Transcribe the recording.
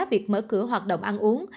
việc mở cửa hoạt động ăn uống